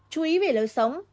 chú ý về lơi sống